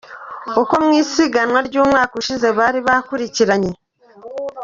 Uko mu isiganwa ry’umwaka ushize bari bakurikiranye.